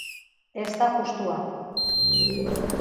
Ez da justua